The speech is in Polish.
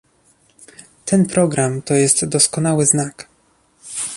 Ten program to jest doskonały znak